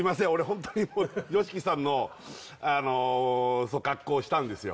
ホントにＹＯＳＨＩＫＩさんのあのそう格好をしたんですよ